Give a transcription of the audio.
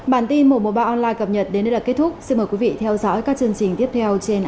bản tin một trăm một mươi ba online cập nhật đến đây là kết thúc xin mời quý vị theo dõi các chương trình tiếp theo trên kênh an